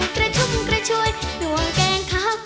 ตัดกะแทน